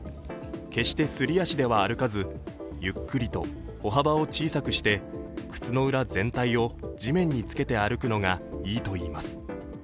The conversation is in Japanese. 決してすり足では歩かずゆっくりと歩幅を小さくして、靴の裏全体を地面につけて歩くのがいいといいます。